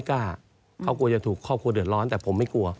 เขากลัวจะถูกครอบครัวเดือดร้อนแต่ผมไม่กลัว